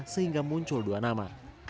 sehingga muncul dua nama